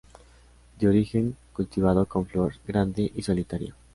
De origen cultivado con flor grande y solitaria.